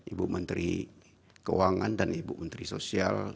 ibu menteri keuangan dan ibu menteri sosial